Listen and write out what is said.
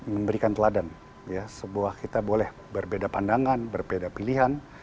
memberikan teladan sebuah kita boleh berbeda pandangan berbeda pilihan